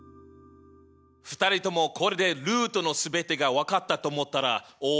２人ともこれでルートの全てが分かったと思ったら大間違いだぜ。